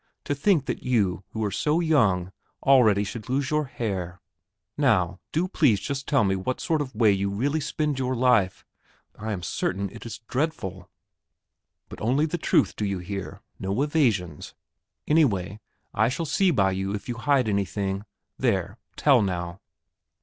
To think that you, who are so young, already should lose your hair! Now, do please just tell me what sort of way you really spend your life I am certain it is dreadful! But only the truth, do you hear; no evasions. Anyway, I shall see by you if you hide anything there, tell now!"